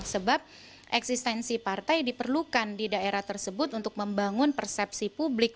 sebab eksistensi partai diperlukan di daerah tersebut untuk membangun persepsi publik